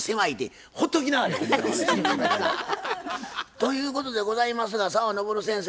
ということでございますが澤登先生